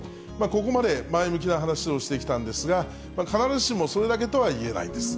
ここまで前向きな話をしてきたんですが、必ずしもそれだけとはいえないんです。